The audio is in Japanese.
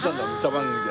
番組で。